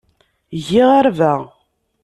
Giɣ arba.